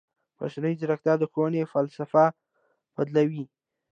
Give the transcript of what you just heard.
مصنوعي ځیرکتیا د ښوونې فلسفه بدلوي.